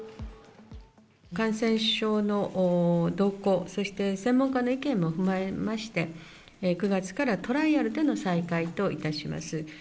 感染症の動向、そして専門家の意見も踏まえまして、９月からトライアルでの再開